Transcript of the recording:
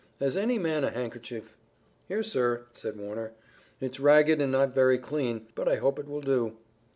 Has any man a handkerchief?" "Here, sir," said Warner; "it's ragged and not very clean, but I hope it will do."